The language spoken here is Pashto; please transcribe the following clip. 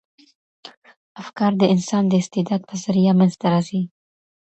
افکار د انسان د استعداد په ذریعه منځ ته راځي.